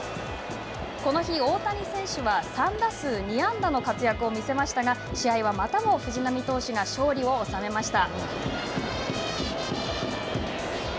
この日大谷選手は３打数２安打の活躍を見せましたが、試合はまたも藤浪投手が勝利を収めました。